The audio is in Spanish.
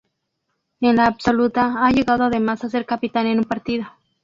En la absoluta, ha llegado además a ser capitán en un partido.